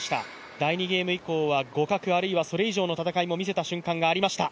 第２ゲーム以降は互角、あるいはそれ以上の戦いも見せた瞬間もありました。